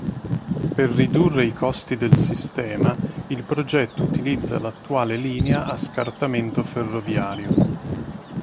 Per ridurre i costi del sistema, il progetto utilizza l'attuale linea a scartamento ferroviario.